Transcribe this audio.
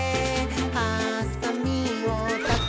「はさみをたてます」